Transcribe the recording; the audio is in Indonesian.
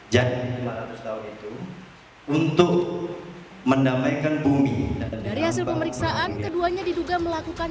lima ratus tahun itu untuk mendamaikan bumi dari hasil pemeriksaan keduanya diduga melakukan